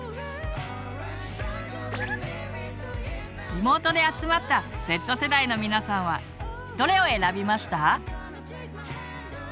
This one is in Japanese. リモートで集まったＺ世代の皆さんはどれを選びました？